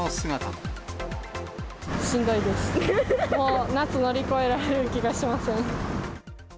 もう夏乗り越えられる気がしません。